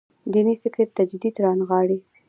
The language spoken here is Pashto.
دیني فکر تجدید رانغاړي.